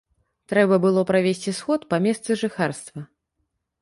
Трэба было правесці сход па месцы жыхарства.